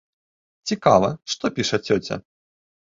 Цікава, што піша цёця.